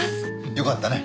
よかったね。